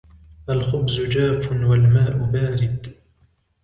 الخبز جاف والماء بارد.